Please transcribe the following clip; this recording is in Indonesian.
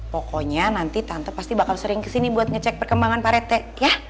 pokonya nanti tante pasti bakal sering kesini buat ngecek perkembangan paret teh ya